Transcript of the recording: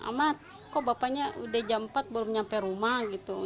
amat kok bapaknya udah jam empat baru nyampe rumah gitu